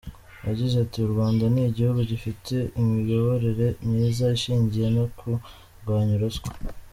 Yagize ati:” U Rwanda ni igihugu gifite imiyoborere myiza ishingiye no ku kurwanya ruswa.